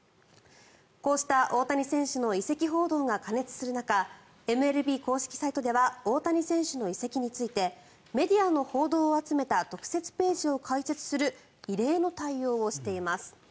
こうした大谷選手の移籍報道が過熱する中ＭＬＢ公式サイトでは大谷選手の移籍についてメディアの報道を集めた特設ページを開設する異例の対応をしています。